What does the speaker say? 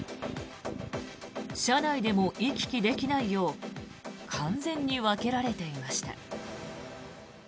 車内でも行き来できないよう完全に分けられていました。